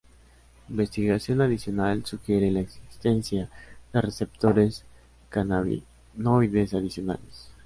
Investigación adicional sugiere la existencia de receptores cannabinoides adicionales.